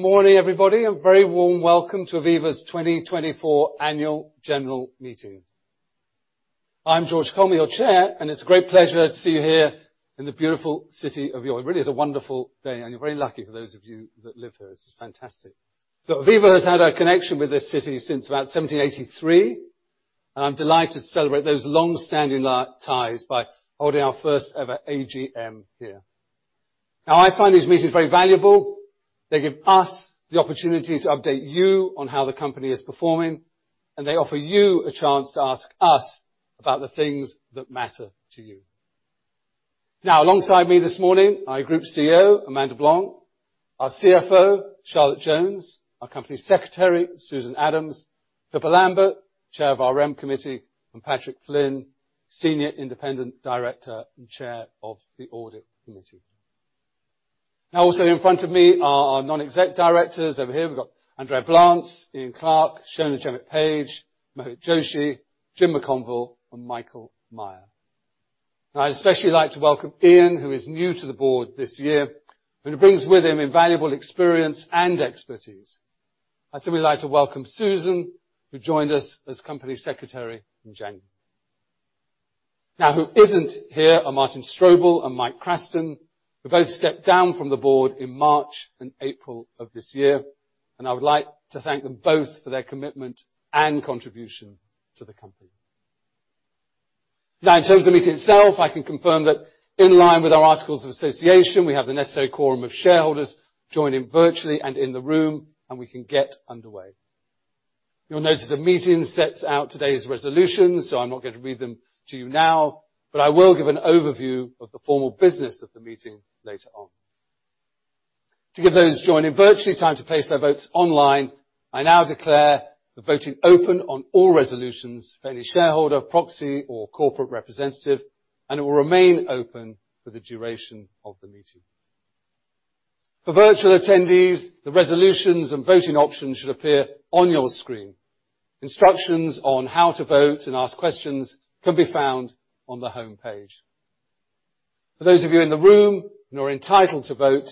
Good morning, everybody, and a very warm welcome to Aviva's 2024 Annual General Meeting. I'm George Culmer, your Chair, and it's a great pleasure to see you here in the beautiful city of York. It really is a wonderful day, and you're very lucky, for those of you that live here. This is fantastic. Look, Aviva has had a connection with this city since about 1783, and I'm delighted to celebrate those long-standing ties by holding our first-ever AGM here. Now, I find these meetings very valuable. They give us the opportunity to update you on how the company is performing, and they offer you a chance to ask us about the things that matter to you. Now, alongside me this morning, our Group CEO, Amanda Blanc; our CFO, Charlotte Jones; our Company Secretary, Susan Adams; Pippa Lambert, Chair of our Rem Committee, and Patrick Flynn, Senior Independent Director and Chair of the Audit Committee. Now, also in front of me are our non-exec directors. Over here, we've got Andrea Blance, Ian Clark, Shonaid Jemmett-Page, Mohit Joshi, Jim McConville, and Michael Mire. I'd especially like to welcome Ian, who is new to the board this year, and who brings with him invaluable experience and expertise. I'd also like to welcome Susan, who joined us as Company Secretary in January. Now, who isn't here are Martin Strobel and Mike Craston, who both stepped down from the board in March and April of this year, and I would like to thank them both for their commitment and contribution to the company. Now, in terms of the meeting itself, I can confirm that in line with our Articles of Association, we have the necessary quorum of shareholders joining virtually and in the room, and we can get underway. You'll notice the meeting sets out today's Resolutions, so I'm not going to read them to you now, but I will give an overview of the formal business of the meeting later on. To give those joining virtually time to place their votes online, I now declare the voting open on all Resolutions for any shareholder, proxy, or corporate representative, and it will remain open for the duration of the meeting. For virtual attendees, the Resolutions and voting options should appear on your screen. Instructions on how to vote and ask questions can be found on the home page. For those of you in the room and are entitled to vote,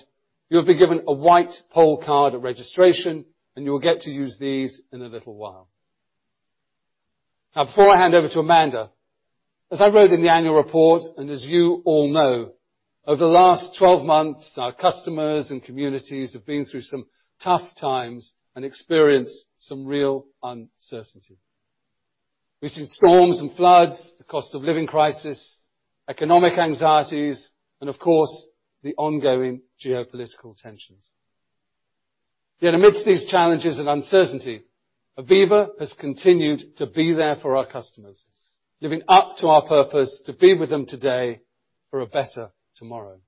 you have been given a white poll card at registration, and you will get to use these in a little while. Now, before I hand over to Amanda, as I wrote in the annual report, and as you all know, over the last 12 months, our customers and communities have been through some tough times and experienced some real uncertainty. We've seen storms and floods, the cost of living crisis, economic anxieties, and of course, the ongoing geopolitical tensions. Yet amidst these challenges and uncertainty, Aviva has continued to be there for our customers, living up to our purpose to be with them today for a better tomorrow.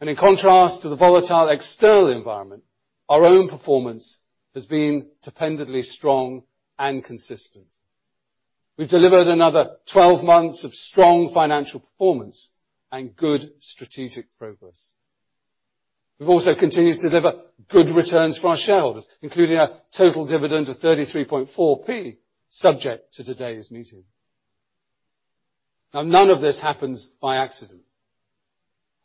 In contrast to the volatile external environment, our own performance has been dependably strong and consistent. We've delivered another 12 months of strong financial performance and good strategic progress. We've also continued to deliver good returns for our shareholders, including a total dividend of 0.334, subject to today's meeting. Now, none of this happens by accident.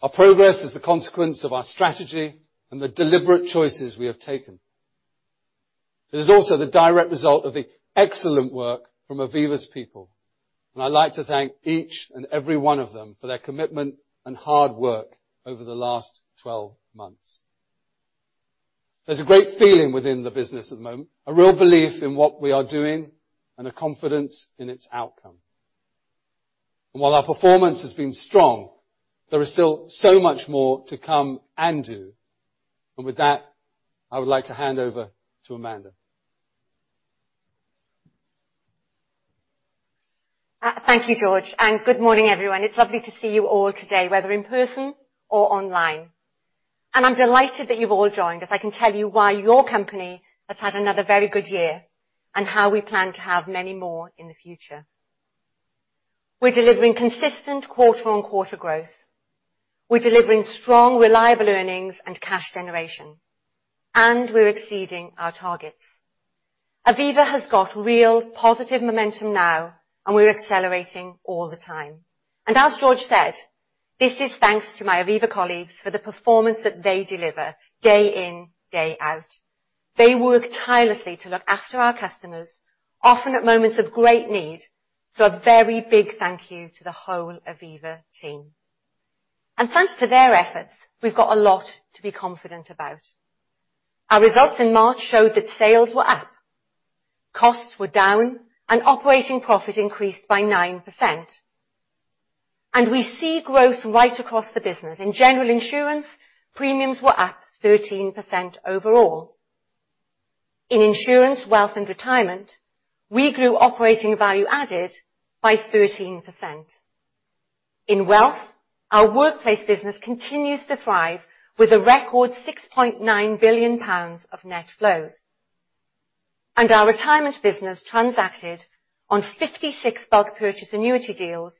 Our progress is the consequence of our strategy and the deliberate choices we have taken. It is also the direct result of the excellent work from Aviva's people, and I'd like to thank each and every one of them for their commitment and hard work over the last 12 months. There's a great feeling within the business at the moment, a real belief in what we are doing and a confidence in its outcome. And while our performance has been strong, there is still so much more to come and do. And with that, I would like to hand over to Amanda. Thank you, George, and good morning, everyone. It's lovely to see you all today, whether in person or online. And I'm delighted that you've all joined, as I can tell you why your company has had another very good year and how we plan to have many more in the future. We're delivering consistent quarter-on-quarter growth, we're delivering strong, reliable earnings and cash generation, and we're exceeding our targets. Aviva has got real positive momentum now, and we're accelerating all the time. And as George said, this is thanks to my Aviva colleagues for the performance that they deliver day in, day out. They work tirelessly to look after our customers, often at moments of great need, so a very big thank you to the whole Aviva team. And thanks to their efforts, we've got a lot to be confident about. Our results in March showed that sales were up, costs were down, and operating profit increased by 9%. We see growth right across the business. In general insurance, premiums were up 13% overall. In insurance, wealth, and retirement, we grew operating value added by 13%. In wealth, our workplace business continues to thrive with a record 6.9 billion pounds of net flows. Our retirement business transacted on 56 bulk purchase annuity deals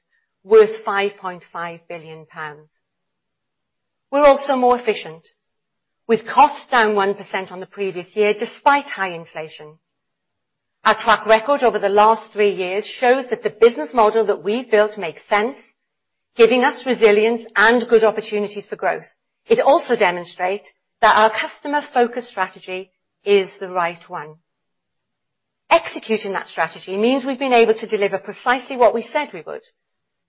worth 5.5 billion pounds. We're also more efficient, with costs down 1% on the previous year, despite high inflation. Our track record over the last three years shows that the business model that we've built makes sense, giving us resilience and good opportunities for growth. It also demonstrates that our customer-focused strategy is the right one. Executing that strategy means we've been able to deliver precisely what we said we would: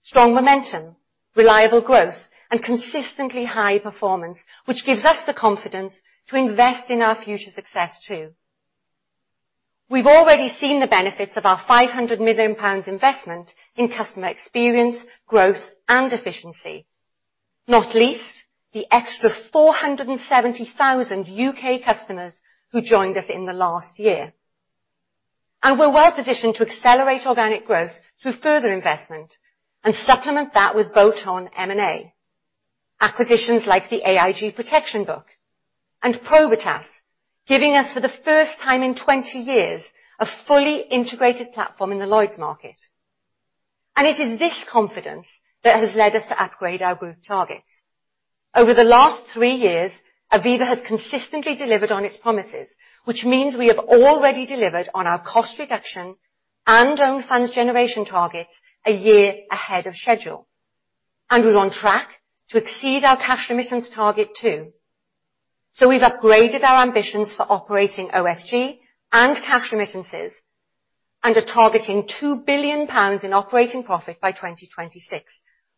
strong momentum, reliable growth, and consistently high performance, which gives us the confidence to invest in our future success, too. We've already seen the benefits of our 500 million pounds investment in customer experience, growth, and efficiency, not least the extra 470,000 UK customers who joined us in the last year. And we're well-positioned to accelerate organic growth through further investment and supplement that with bolt-on M&A. Acquisitions like the AIG protection book and Probitas, giving us, for the first time in 20 years, a fully integrated platform in the Lloyd's market. And it is this confidence that has led us to upgrade our group targets. Over the last three years, Aviva has consistently delivered on its promises, which means we have already delivered on our cost reduction and own funds generation targets a year ahead of schedule, and we're on track to exceed our cash remittance target, too. So we've upgraded our ambitions for operating OFG and cash remittances, and are targeting 2 billion pounds in operating profit by 2026,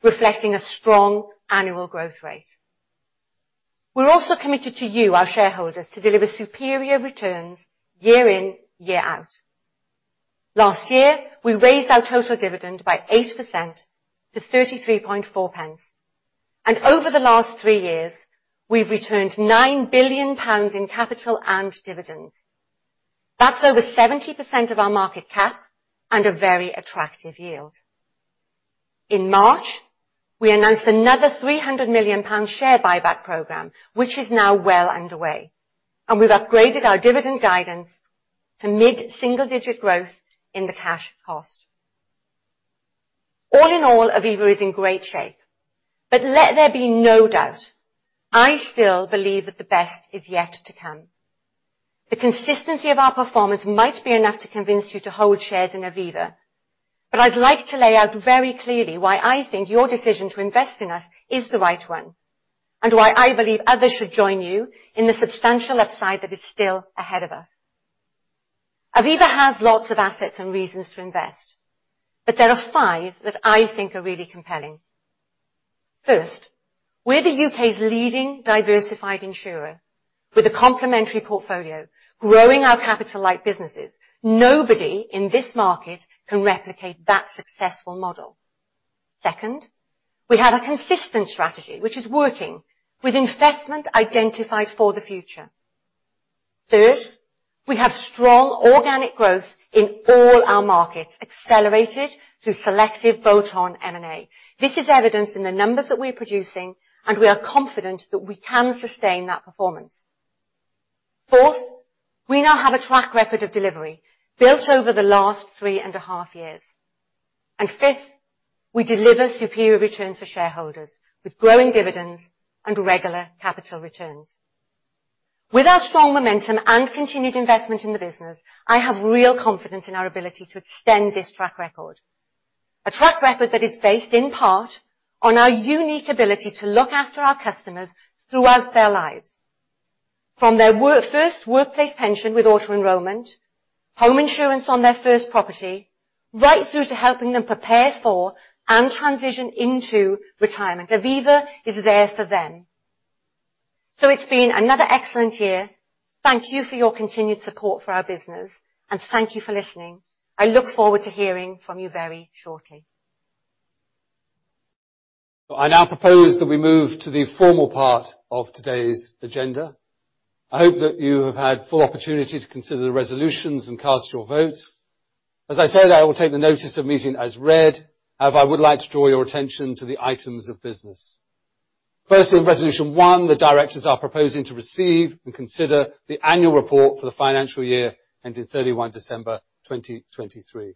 reflecting a strong annual growth rate. We're also committed to you, our shareholders, to deliver superior returns year in, year out. Last year, we raised our total dividend by 8% to 33.4 pence, and over the last three years, we've returned 9 billion pounds in capital and dividends. That's over 70% of our market cap and a very attractive yield. In March, we announced another 300 million pound share buyback program, which is now well underway, and we've upgraded our dividend guidance to mid-single-digit growth in the cash cost. All in all, Aviva is in great shape, but let there be no doubt, I still believe that the best is yet to come. The consistency of our performance might be enough to convince you to hold shares in Aviva, but I'd like to lay out very clearly why I think your decision to invest in us is the right one, and why I believe others should join you in the substantial upside that is still ahead of us. Aviva has lots of assets and reasons to invest, but there are five that I think are really compelling. First, we're the U.K.'s leading diversified insurer with a complementary portfolio, growing our capital-light businesses. Nobody in this market can replicate that successful model. Second, we have a consistent strategy which is working, with investment identified for the future. Third, we have strong organic growth in all our markets, accelerated through selective bolt-on M&A. This is evidenced in the numbers that we're producing, and we are confident that we can sustain that performance. Fourth, we now have a track record of delivery built over the last three and a half years. Fifth, we deliver superior returns for shareholders, with growing dividends and regular capital returns. With our strong momentum and continued investment in the business, I have real confidence in our ability to extend this track record, a track record that is based in part on our unique ability to look after our customers throughout their lives. From their first workplace pension with auto enrollment, home insurance on their first property, right through to helping them prepare for and transition into retirement, Aviva is there for them. So it's been another excellent year. Thank you for your continued support for our business, and thank you for listening. I look forward to hearing from you very shortly. I now propose that we move to the formal part of today's agenda. I hope that you have had full opportunity to consider the resolutions and cast your vote. As I say, that I will take the notice of meeting as read, however, I would like to draw your attention to the items of business. Firstly, in resolution 1, the directors are proposing to receive and consider the annual report for the financial year, ending 31 December 2023.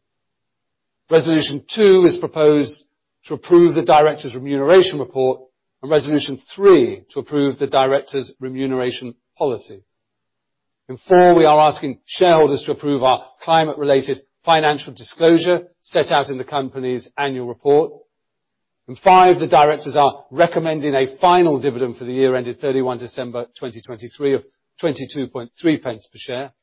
Resolution 2 is proposed to approve the directors' remuneration report, and resolution 3, to approve the directors' remuneration policy. In 4, we are asking shareholders to approve our climate-related financial disclosure set out in the company's annual report. In 5, the directors are recommending a final dividend for the year ended 31 December 2023, of 22.3p per share.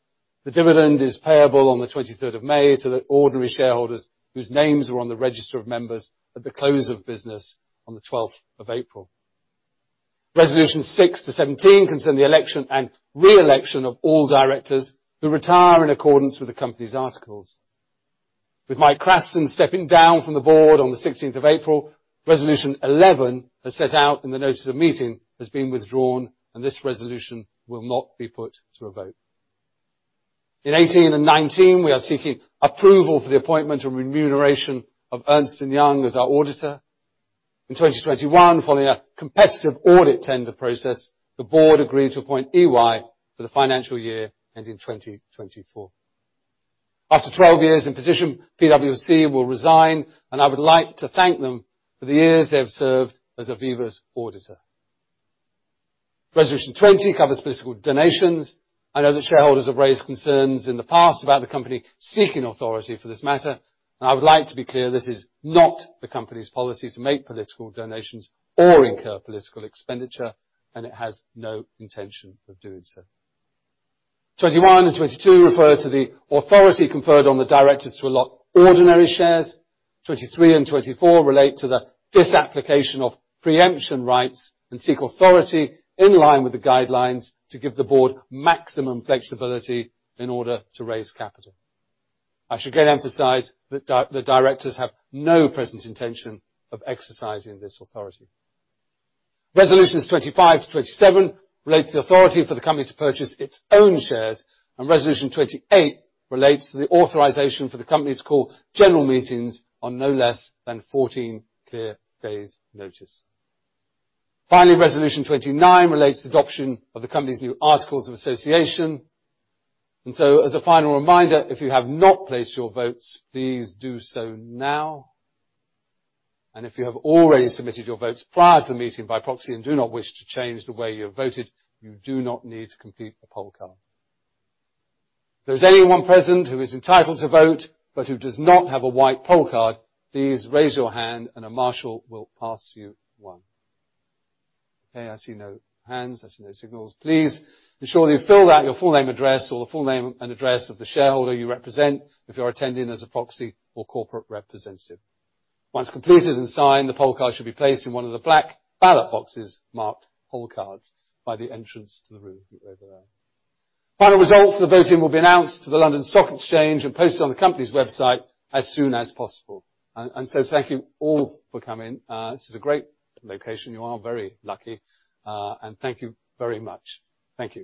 The dividend is payable on the twenty-third of May to the ordinary shareholders whose names are on the register of members at the close of business on the twelfth of April. Resolution 6 to 17 concern the election and re-election of all directors who retire in accordance with the company's articles. With Mike Craston stepping down from the board on the sixteenth of April, resolution 11, as set out in the notice of meeting, has been withdrawn, and this resolution will not be put to a vote. In 18 and 19, we are seeking approval for the appointment and remuneration of Ernst & Young as our auditor. In 2021, following a competitive audit tender process, the board agreed to appoint EY for the financial year ending in 2024. After 12 years in position, PwC will resign, and I would like to thank them for the years they have served as Aviva's auditor. Resolution 20 covers political donations. I know that shareholders have raised concerns in the past about the company seeking authority for this matter, and I would like to be clear, this is not the company's policy to make political donations or incur political expenditure, and it has no intention of doing so. 21 and 22 refer to the authority conferred on the directors to allot ordinary shares. 23 and 24 relate to the disapplication of preemption rights and seek authority in line with the guidelines to give the board maximum flexibility in order to raise capital. I should again emphasize that the directors have no present intention of exercising this authority. Resolutions 25 to 27 relate to the authority for the company to purchase its own shares, and resolution 28 relates to the authorization for the company to call general meetings on no less than 14 clear days' notice. Finally, resolution 29 relates to the adoption of the company's new Articles of Association. And so, as a final reminder, if you have not placed your votes, please do so now. And if you have already submitted your votes prior to the meeting by proxy and do not wish to change the way you have voted, you do not need to complete a poll card. If there is anyone present who is entitled to vote, but who does not have a white poll card, please raise your hand and a marshal will pass you one. Okay, I see no hands. I see no signals. Please ensure you fill out your full name, address, or the full name and address of the shareholder you represent if you are attending as a proxy or corporate representative. Once completed and signed, the poll card should be placed in one of the black ballot boxes marked Poll Cards by the entrance to the room over there. Final results of the voting will be announced to the London Stock Exchange and posted on the company's website as soon as possible. So thank you all for coming. This is a great location. You are very lucky, and thank you very much. Thank you.